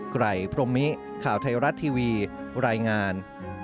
ไกรพรมมิข่าวไทยรัฐทีวีรายงาน